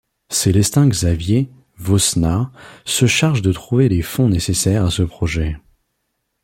Célestin-Xavier Vaussenat se charge de trouver les fonds nécessaires à ce projet.